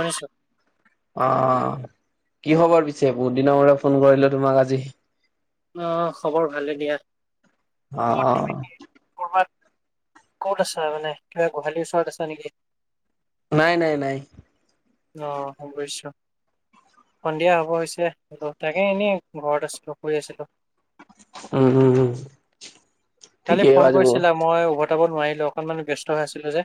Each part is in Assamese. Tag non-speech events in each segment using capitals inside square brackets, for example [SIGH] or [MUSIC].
শুনিছো অ'। কি খবৰ পিছে? বহুতদিনৰ মূৰত ফোন কৰিলোঁ তোমাক আজি। আ' খবৰ ভালে দিয়া। অ অ ক'ত তুমি? কৰবাত ক'ত আছাঁ মানে? কিবা গোহালিৰ ওচৰত আছাঁ নেকি? নাই নাই নাই। অ' সবইছ। সন্ধিয়া হ'ব হৈছে। হ তাকে এনেই ঘৰত আছিলোঁ শুই আছিলোঁ। উম উম উম কালি ঠিকেই ফোন আজি কৰিছিলা। মই উভত কটাব নোৱাৰিলোঁ অকনমান ব্যস্ত হৈ আছিলোঁ যে।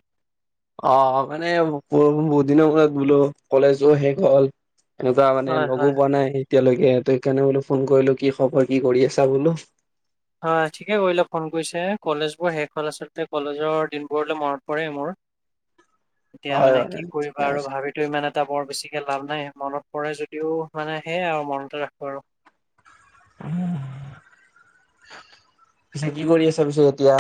অ', হ মানে বহু বহুত দিনৰ মুৰত বোলোঁ, কলেজো শেষ হ'ল। এনেকুৱা মানে হয় লগো হয় পোৱা নাই। এতিয়ালৈকে ইয়াতে সেইকাৰণে বোলোঁ ফোন কৰিলো কি খবৰ কি কৰি আছা বোলোঁ? হয় ঠিকে কৰিলে ফোন কৰিছে। কলেজবোৰ শেষ হ'ল আচলতে কলেজৰ দিনবোৰলৈ মনত পৰে মোৰ। এতিয়া হয় মানে হয় কি ঠিকে কৰিবা আৰু কৈছা। ভাবিতোঁ ইমান এটা বৰ বেছিকে লাভ নাই মনত পৰে যদিও মানে সেয়াই আৰু মনতে ৰাখোঁ আৰু। পিছে কি কৰি আছাঁ পিছে এতিয়া?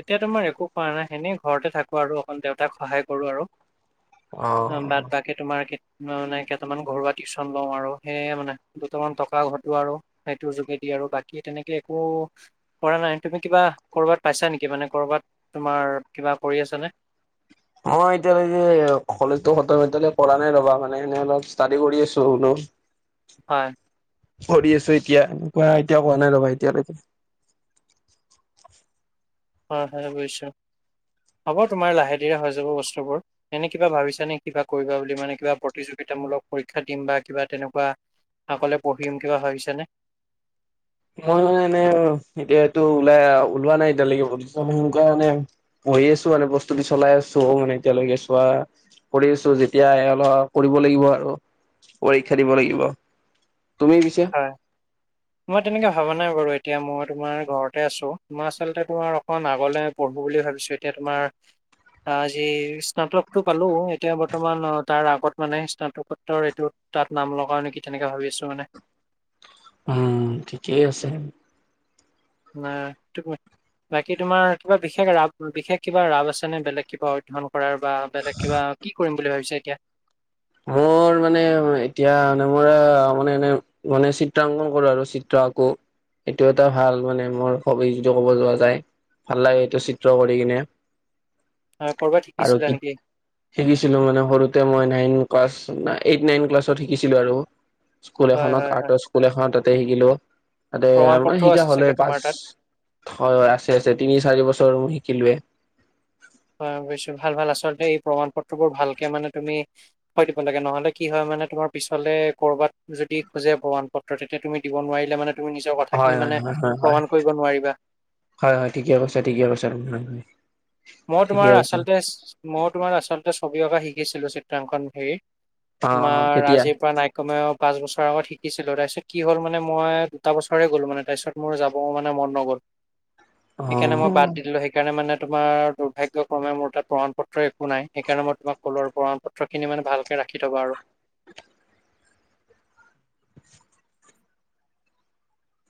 এতিয়া তোমাৰ একো কৰা নাই এনেই ঘৰতে থাকোঁ আৰু অকণ দেউতাক সহায় কৰোঁ আৰু। অ', বাট বাকী তোমাৰ কি [UNINTELLIGIBLE] মানে কেইটামান ঘৰুৱা টিউচন লওঁ আৰু সেয়ে মানে দুটামান টকা ঘটোঁ আৰু সেইটোৰ যোগেদি। আৰু বাকী তেনেকে একো কৰা নাই তুমি কিবা ক'ৰবাত পাইছা নেকি? মানে ক'ৰবাত তোমাৰ কিবা কৰি আছাঁনে? অ' এতিয়ালৈকে এ কলেজতো খতম এতিয়ালৈ কৰা নাই ৰ'বা মানে এনে অলপ ষ্টাডি কৰি আছোঁ বোলোঁ। [INAUDIBLE] হয় কৰি আছোঁ এতিয়া হোৱা এতিয়া হোৱা নাই ৰ'বা এতিয়ালৈকে। অ', হা বুজিছোঁ। হ'ব তোমাৰ লাহে ধীৰে হৈ যাব বস্তুবোৰ। এনে কিবা ভাবিছানে কিবা কৰিবা বুলি মানে কিবা প্ৰতিযোগিত তামূলক পৰীক্ষা দিম বা কিবা তেনেকুৱা আগলে পঢ়িম কিবা ভাবিছানে? মই মানে এনে অ' এতিয়াটো ওলাই ওলোৱাঁ নাই এতিয়ালৈকে [UNINTELLIGIBLE] পঢ়ি আছোঁ মানে প্ৰস্তুতি চলাই আছোঁ মানে এতিয়ালৈকে চোৱা কৰি আছোঁ যেতিয়া এৰা ধৰা কৰিব লাগিব আৰু পৰীক্ষা দিব লাগিব। তুমি পিছে? হয় মই তেনেকে ভাবা নাই বাৰু এতিয়া মই তোমাৰ ঘৰতে আছোঁ। মই আচলতে তোমাৰ অকন আগলে পঢ়োঁ বুলি ভাবিছোঁ। তেতিয়া তোমাৰ আ যি স্নাতকটো পালোঁ এতিয়া বৰ্তমান অ' তাৰ আগত মানে স্নাতকোত্তৰ এইটো তাত নাম লগাওঁ নেকি তেনেকে ভাবি আছোঁ মানে। উম, ঠিকেই আছে। নাই [UNINTELLIGIBLE] বাকী তোমাৰ কিবা বিশেষ ৰাপ বিশেষ কিবা ৰাপ আছেনে বেলেগ কিবা অধ্যয়ণ কৰাৰ বা বেলেগ কিবা কি কৰিম বুলি ভাবিছা এতিয়া? মোৰ মানে এতিয়া মানে মোৰ মানে এনে মানে চিত্ৰাংকন কৰো আৰু চিত্ৰা আকৌ। এইটো এটা ভাল মানে মোৰ হবি যিটো ক'ব যোৱা যায় ভাল লাগে সেইটো চিত্ৰ কৰি কিনে। আহ, কৰ'বাত আৰু শিকিছিলা নেকি শিকিছিলো মানে সৰুতে মই নাইন ক্লাছ এইট নাইন ক্লাছত শিকিছিলো আৰু স্কুল হয় এখনত হয় হয় আৰ্টৰ স্কুল এখনত। তে শিকিলো। তাতে প্ৰমাণ মানে পত্ৰও শিকা আছে হ'লে চাগে পাঁচ তোমাৰ তাত হয় আছে আছে তিনি চাৰি বছৰ শিকিলোৱে। হয়, বুজিছো। ভাল ভাল আচলতে এই প্ৰমাণ পত্ৰবোৰ ভালকে মানে তুমি থয় দিব লাগে। নহ'লে কি হয় মানে তোমাৰ পিছলে ক'ৰবাত যদি খোজে প্ৰমাণ পত্ৰ তেতিয়া তুমি দিব নোৱাৰিলে মানে তুমি নিজৰ হয় কথাখিনি হয় মানে হয় হয় হয় প্ৰমাণ কৰিব নোৱাৰিবা। হয়, হয় ঠিকে কৈছা ঠিকে কৈছা। মই ঠিকে তোমাৰ কৈছা আচলতে মই তোমাৰ আচলতে ছবি অঁকা শিকিছিলো চিত্ৰাংকন হেৰি। অ অ তোমাৰ কেতিয়া আজিৰ পৰা নাই কমেও পাঁচ বছৰৰ আগত শিকা শিকিছিলো। তাৰপিছত কি হ'ল মানে মই দুটা বছৰে গ'লো মানে তাৰপিছত মোৰ যাব মানে মন নগ'ল। অ সেইকাৰণে মই বাদ দি দিলো। সেইকাৰণে মানে তোমাৰ দুৰ্ভাগ্যক্ৰমে মোৰ তাত প্ৰমাণ পত্ৰ একো নাই। সেইকাৰণে মই তোমাক ক'লো আৰু প্ৰমাণ পত্ৰখিনি মানে ভালকে ৰাখি থ'বা আৰু। [INAUDIBLE]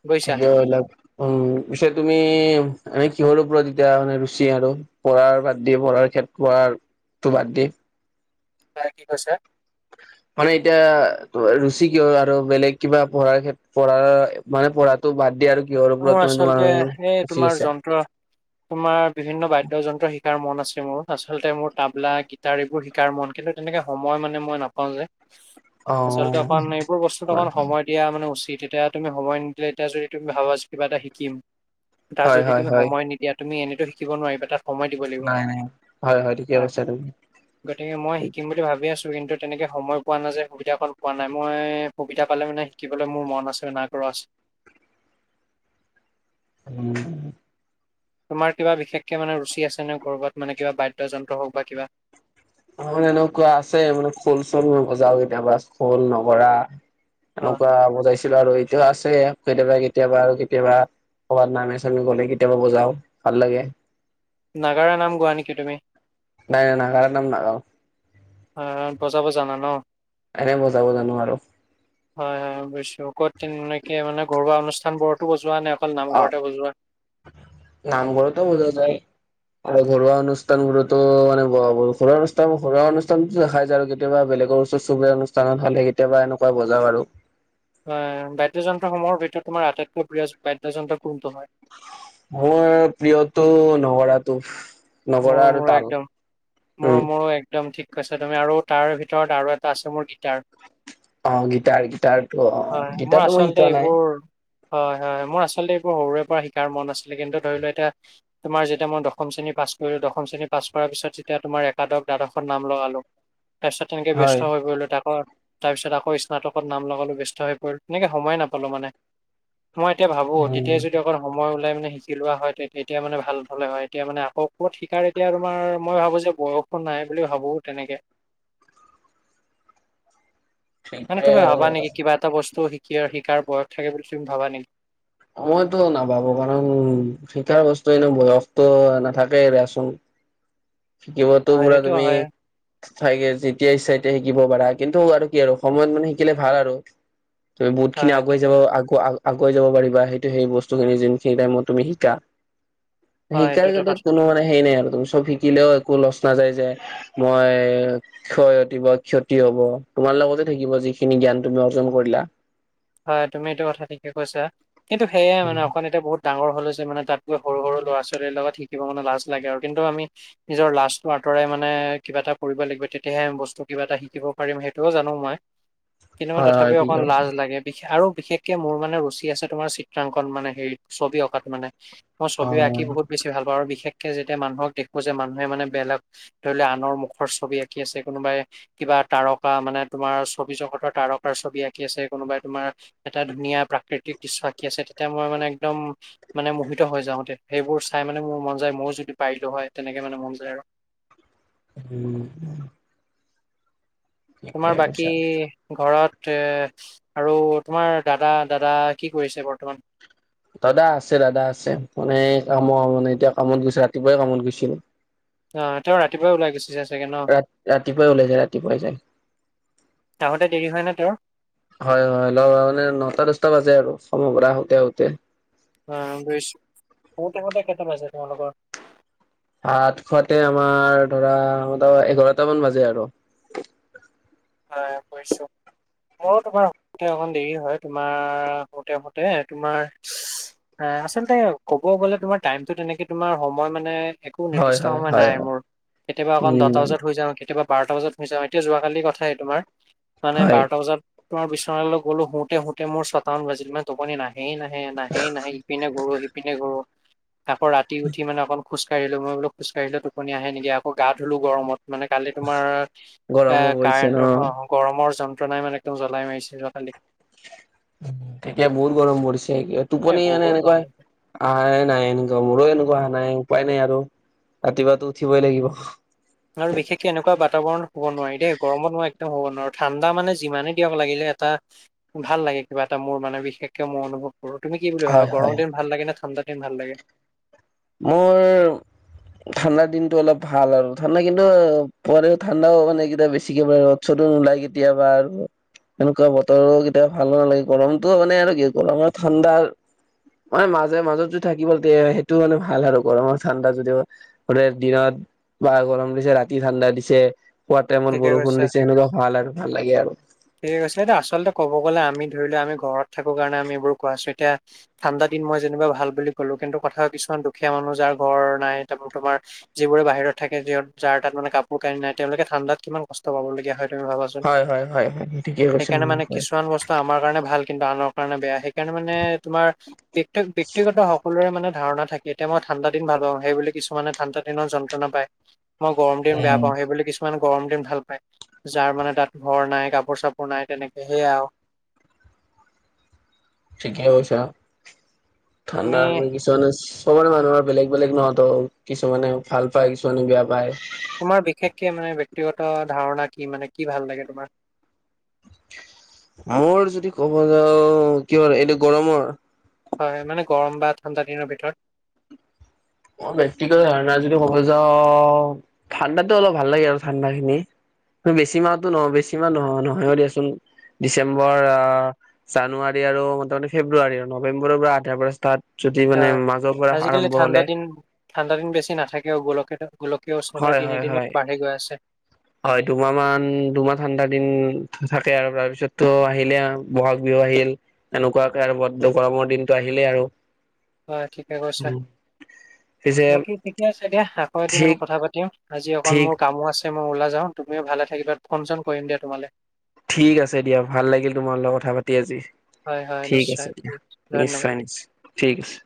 বুজিছা ঠিকে ক'লা উম পিছে তুমি তুমি এনে কিহৰ ওপৰত এতিয়া মানে ৰুচি আৰু পঢ়াৰ বাদ দি পঢ়াৰ ক্ষেত পঢ়াৰ তো বাদ দি? হয়, কি কৈছা? মানে এতিয়া ৰুচি কিয় আৰু বেলেগ কিবা পঢ়াৰ পঢ়াৰ মানে পঢ়াটো বাদ দিয়ে আৰু কিহৰ ওপৰত মোৰ মানে তোমাৰ আচলতে এই ৰুচি তোমাৰ আছে যন্ত্ৰ তোমাৰ বিভিন্ন বাদ্যযন্ত্ৰ শিকাৰ মন আছে মোৰ আচলতে মোৰ তাবলা গীটাৰ এইবোৰ শিকাৰ মন। কিন্তু তেনেকে সময় মানে মই নাপাওঁ যে। অ আচলতে অকণ এইবোৰ বস্তুত অকণ সময় দিয়া মানে উচিত। তেতিয়া তুমি সময় নিদিলে তেতিয়া যদি তুমি ভাবা কিবা এটা শিকিম। তাত হয় যদি হয় তুমি হয় সময় নিদিয়া তুমি এনেটো শিকিব নোৱাৰিবা তাত। সময় দিব লাগ নাই নাই হয় ঠিকে হয়। কৈছা তুমি গতিকে মই শিকিম বুলি ভাব আছো। কিন্তু তেনেকে সময় পোৱা নাযায় সুবিধা অকন পোৱা নাই। মই সুবিধা পালে মানে শিকিবলৈ মোৰ মন আছে [INAUDIBLE] উম। তোমাৰ কিবা বিশেষকে মানে ৰুচি আছেনে ক'ৰবাত মানে কিবা বাদ্যযন্ত্ৰ হওঁক বা কিবা? অ', এনেকুৱা আছে মানে খোল চোল বজাও কেতিয়াবা খোল নগৰা। অ এনেকুৱা বুজাইছিলো আৰু এইটো আছে কেতিয়াবা কেতিয়াবা আৰু কেতিয়াবা। ক'ৰবাত নামে চামে গ'লে কেতিয়াবা বজাও ভাল লাগে। নাগাৰা নাম গোৱা নেকি তুমি? নাই নাই নাগাৰা নাম নাগাওঁ। এ বজাব জানা ন? এনে বজাব জানো আৰু। হয়, হয় বুজছো ক'ত একে মানে ঘৰুৱা অনুষ্ঠান বোৰতো বজোৱা নে? অকল নামঘৰতে বজোৱা অ', নামঘৰটো বজোৱা যায়। আৰু ঘৰুৱা অনুষ্ঠানবোৰতো মানে ঘৰুৱা অনুষ্ঠান ঘৰুৱা অনুষ্ঠানো দেখাই যায় আৰু কেতিয়াবা বেলেগ ওচৰ চুবুৰীয়া অনুষ্ঠানত খালি কেতিয়াবা এনেকুৱা বজাও আৰু। এ বাদ্যযন্ত্ৰসমূহৰ ভিতৰত তোমাৰ আটাইতকৈ প্ৰিয় বাদ্যযন্ত্ৰ কোনটো হয়? মোৰ প্ৰিয়টো নগৰাটো। নগৰা মোৰো আৰু মোৰো তাল একদম উম, মোৰো মোৰো একদম ঠিক কৈছা তুমি আৰু তাৰ ভিতৰত আৰু এটা আছে মোৰ গীটাৰ। অ', গিটাৰ গিটাৰটো অ' মোৰ গিটাৰটো মই আচলতে শিকা নাই। এইবোৰ হয়, হয়, হয় মোৰ আচলতে এইবোৰ সৰুৰে পৰা শিকাৰ মন আছিলে কিন্তু ধৰি লও এতিয়া তোমাৰ যেতিয়া মই দশম শ্ৰেণী পাছ দশম শ্ৰেণী পাছ কৰাৰ পিছত যেতিয়া তোমাৰ একাদশ দ্বাদশত নাম লগালো। তাৰপিছত তেনেকৈ ব্যস্ত হৈ পৰিলোঁ তাকৰ তাৰপিছত আকৌ স্নাতকত নাম লগালো ব্যস্ত হৈ পৰিলো, তেনেকে সময় নাপালো মানে। মই এতিয়া ভাবো উম তেতিয়াই যদি অকল সময় ওলাই মানে শিকি লোৱা হয় তে এতিয়া মানে ভাল হলে হয় এতিয়া মানে আকৌ কত শিকাৰ এতিয়া তোমাৰ মই ভাবো যে বয়সো নাই বুলি ভাবো তেনেকে। [INAUDIBLE] মানে এ তুমি ভাবা নেকি কিবা এটা বস্তু শিকি আৰু শিকাৰ বয়স থাকে বুলি তুমি ভাবা নেকি? মইটো নাভাবো কাৰণ শিকাৰ বস্তু এনে বয়সতো নাথাকেই দিয়াচোন। শিকিব তো হয় পুৰা সেইটো তুমি হয় চাগে যেতিয়া ইচ্ছা তেতিয়া শিকিব পাৰা কিন্তু আৰু কি আৰু সময়ত মানে শিকিলে ভাল আৰু। তুমি বহুত খিনি হয় এইটো আগুৱাই হয় যাবা আগ আগুৱাই যাব পাৰিবা সেইটো সেই বস্তুখিনি যোনখিনি টাইমত তুমি শিকা। হয় শিকাৰ এইটোতো [UNINTELLIGIBLE] কথা কোনো মানে হেই নাই আৰু তুমি চব শি একো লচ নাযায় যে মই ক্ষয়তিব ক্ষতি হ'ব তোমাৰ লগতে থাকিব যিখিনি জ্ঞান তুমি অৰ্জন কৰিলা হয় তুমি এইটো কথা ঠিকে কৈছা কিন্তু সেয়াই মানে অকণ এতিয়া বহুত ডাঙৰ হ'লো যে মানে তাত গৈ সৰু সৰু ল'ৰা ছোৱালীৰ লগত শিকিব মানে লাজ লাগে আৰু কিন্তু আমি নিজৰ লাজটো তৰাই মানে কিবা এটা কৰিব লাগিব তেতিয়াহে বস্তু কিবা এটা শিকিব পাৰিম সেইটোও জানো মই। কিন্তু ম হয় হয় তথাপিও অকণ ঠিকে কৈছা লাজ লাগে। আৰু বিশেষকে মোৰ মানে ৰুচি আছে তোমাৰ চিত্ৰাংকন মানে হেৰি ছবি অঁকাত মানে। মই অ ছবি আঁকি বহুত বেছি ভাল পাওঁ আৰু বিশেষক যেতিয়া মানুহক দেখো যে মানুহে মানে বেলেগ ধৰি লোৱা আনৰ মুখৰ ছবি আঁকি আছে কোনোবাই কিবা তাৰকা মানে তোমাৰ ছবি জগতৰ তাৰকাৰ ছবি আঁকি আছে কোনোবাই তোমাৰ এটা ধুনীয়া প্ৰাকৃতিক দৃশ্য আঁকি আছে তেতিয়া মই মানে একদম মানে মোহিত হৈ যাওতে সেইবোৰ চাই মানে মোৰ মন যায় ময়ো যদি পাৰিলো হয় তেনেকে মানে মন যায় আৰু। উম। ঠিকে তোমাৰ বাকী কৈছা ঘৰত এ আৰু তোমাৰ দাদা, দাদা কি কৰিছে বৰ্তমান? দাদা আছে দাদা আছে মানে কামৰ মানে এতিয়া কামত গৈছে ৰাতিপুৱাই কামত গৈছিল। অ' তেওঁ ৰাতিপুৱাই ওলাই গৈছে যে ৰা -ৰাতিপুৱাই ওলাই যায় ৰাতিপুৱাই যায়। আহোতে দেৰি হয় নে তেওঁৰ হয় হয় ল মানে নটা দচটা বাজে আৰু কামৰ পৰা আহোতে আহোতে। ও বুইছো শুতে শুতে কেইটা বাজে তোমালোকৰ? ভাত খোৱাতে আমাৰ ধৰা এঘাৰটামান বাজে আৰু হয় কৈছে। মোৰ তোমাৰ শুতে অকণ দেৰি হয় তোমাৰ শুতে শুতে তোমাৰ অ' আচলতে ক'ব গ'লে তোমাৰ টাইমটো তেনেকে তোমাৰ সময় মানে একো হয় নিৰ্দিষ্ট হয় সময় হয় নাই হয় মোৰ কেতিয়াবা অকণ উম দহটা বজাত শুই যাওঁ কেতিয়াবা বাৰটা বজাত শুই যাওঁ এতিয়া যোৱাকালি কথাই তোমাৰ মানে হয় বাৰটা বজাত তোমাৰ বিচনালে গলো শুতে শুতে মোৰ ছটা মান বাজিল মানে টোপনি নাই। নাহেই নাহে নাহেই নাহে ইপিনে ঘূৰু সিপিনে ঘূৰু আকৌ ৰাতি উঠি মানে অকন খোজকাঢ়িলো মই বোলো খোজকাঢিলে টোপনি আহেই নেকি আকৌ গা ধলো গৰমত মানে কালি তোমাৰ এ গৰমো পৰিছে ন কাৰেণ্টৰ হ গৰমৰ যন্ত যন্ত্ৰনাই মানে একদম জ্বলাই মাৰিছে যোৱাকালি। তেতিয়া বহুত গৰম পৰিছে এ টোপনি মানে বহুত এনেকুৱা গৰম আহে নাহে মোৰো এনেকুৱা অহা নাই উপায় নাই আৰু ৰাতিপুৱাতো উঠিবই লাগিব। আৰু বিশেষকে এনেকুৱা বাতাবৰণ শু'ব নোৱাৰি দেই গৰমত মই একদম হ'ব নোৱাৰো ঠাণ্ডা মানে যিমানে দিয়ক লাগিলে এটা ভাল লাগে কিবা এটা মোৰ মানে বিশেষকে মোৰ অনুভৱ তুমি কি বুলি হয় ভাবা হয় গৰম দিন ভাল লাগে নে ঠাণ্ডা দিন ভাল লাগে। মোৰ ঠাণ্ডাৰ দিনটো অলপ ভাল আৰু ঠাণ্ডা কিন্তু পও ঠাণ্ডাও মানে ক বেছিকে ৰত [UNINTELLIGIBLE] ওলাই কেতিয়াবা আৰু এনেকুৱা বতৰো কেতিয়া ভাল নালাগে গৰমতটো মানে আৰু কি গৰম ঠাণ্ডাৰ ম মাজে মাজত যো থাকিবল তে টো মানে ভাল আৰু গৰমৰ ঠাণ্ডা যিটো দিনত বা গৰম দিছে ৰাতি ঠাণ্ডা দিছে। পুৱাৰ তাইম ত ঠিকে বৰষুণ কৈছা দিছে সেনেকুৱা ভাল আৰু ভাল লাগে আৰু। ঠিক আছে এতিয়া আচলতে ক'ব গ'লে আমি ধৰি লোৱা আমি ঘৰত থাকো কাৰণে আমি এইবোৰ কোৱা আছো এতিয়া ঠাণ্ডা দিন মই যেনিবা ভাল বুলি ক'লো কিন্তু কথা কিছু মান দুখীয়া মানুহ যাৰ ঘৰ নাই তাৰ তোমাৰ যিবোৰে বাহিৰত থাকে যাৰ তাত মানে কাপোৰ কানি নাই তেওঁলোকে ঠাণ্ডাত কিমান কষ্ট পাবলগীয়া হয় তুমি ভাবাচোন হয় হয় হয় হয় ঠিকে কৈছা সেইকাৰণে মানে হয়। কিছুমান বস্তু আমাৰ কাৰণে ভাল কিন্তু আনৰ কাৰণে বেয়া সেইকাৰণে মানে তোমাৰ ব -বক্তিগত সকলোৰে মানে ধাৰণা থাকে এতিয়া মই ঠাণ্ডা দিন ভাল পাওঁ সেই বুলি কিছুমানে ঠাণ্ডা দিনত যন্ত্ৰনা পায়। মই গৰম দিন বেয়া উম পাওঁ সেই বুলি কিছুমান গৰম দিন ভাল পায় যাৰ মানে তাত ঘৰ নাই কাপোৰ চাপোৰ নাই তেনেকে সেয়াই আৰু [INAUDIBLE] ঠিকে কৈছা তুমি ঠাণ্ডা কিছুমানে চবৰে মানুহৰ বেলেগ বেলেগ নহত কিছুমানে ভাল পায় কিছুমানে বেয়া পায়। তোমাৰ বিশেষকে মানে ব্যয়ক্তিগত ধাৰণা কি মানে কি ভাল লাগে তোমাৰ? [INAUDIBLE] মোৰ যদি ক'ব যাওঁ কি হয় এইটো গৰমৰ হয়, মানে গৰম বা ঠাণ্ডা দিনৰ ভিতৰত। অ, ব্যক্তিগত ধাৰণা যদি মব যাওঁ ঠাণ্ডাতো অলপ ভাল লাগে আৰু ঠাণ্ডা খিনি বেছি মাহতো নহয় বেছি মাহ নহয় নহয়ও দিয়াচোন। ডিচেম্বৰ জানুৱাৰী আৰু ম মানে ফেব্ৰুৱাৰী আৰু নৱেম্বৰৰ পৰা আধাৰ পৰা ষ্টাৰ্ট যদি মানে হয় মাজৰ পৰা আজিকালি আৰম্ভ ঠাণ্ডা হ'লে। দিন ঠাণ্ডা দিন বেছি নথাকেও গোলক গোলকীয় উষ্ণতা হয় দিনে হয় দিনেও হয় বাঢ়ি গৈ আছে। হয় দুমাহ মান দুমাহ ঠাণ্ডা দিন থাকে আৰু তাৰপিছতো আহিলে ব'হাগ বিহু আহিল এনেকুৱাকে আৰু ব গৰমৰ দিনটো আহিলেই আৰু। হয় ঠিকে কৈছা পিছে বাকী ঠিকে আছে দিয়া আকৌ এদিন মই ঠিক কথা পাতিম। আজি অকণ ঠিক মোৰ কামো আছে মই ওলাইা যাওঁ তুমিও ভালে থাকিবা ফোন চোন কৰিম দিয়া তোমালে। ঠিক আছে দিয়া ভাল লাগিল তোমাৰ লগত কথা পাতি আজি। হয় হয় ঠিক নিশ্চয় আছে দিয়া ধন্যবাদ। নিশ্চয় নিশ্চয় ঠিক আছে।